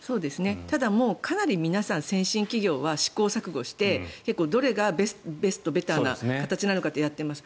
ただ、かなり皆さん先進企業は試行錯誤して、どれがベストベターな形なのかってやっています。